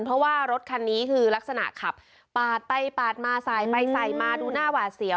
เพราะว่ารถคันนี้คือลักษณะขับปาดไปปาดมาสายไปสายมาดูหน้าหวาดเสียว